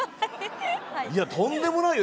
いやとんでもないよ